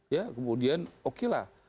ya kemudian okelah